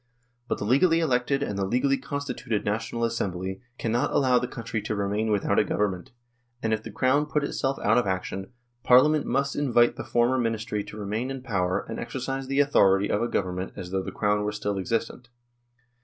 But the legally elected and the legally constituted National Assembly cannot allow the country to remain without a Government, and if the Crown put itself out of action, Parliament must invite the former ministry to remain in power and exercise the authority of a Government as though the Crown were still existent.